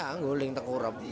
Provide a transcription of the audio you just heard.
iya guling tengkurap